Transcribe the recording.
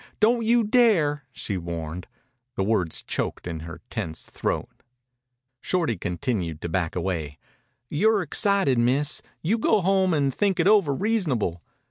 Don't you dare!" she warned. The words choked in her tense throat. Shorty continued to back away. "You're excited, Miss. You go home an' think it over reasonable.